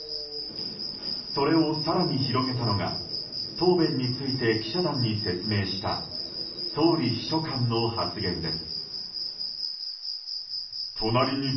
それを更に広げたのが答弁について記者団に説明した総理秘書官の発言です。